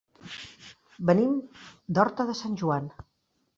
Venim de Horta de Sant Joan.